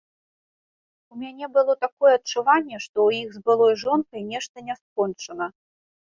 У мяне было такое адчуванне, што ў іх з былой жонкай нешта не скончана.